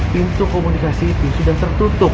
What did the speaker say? pintu komunikasi itu sudah tertutup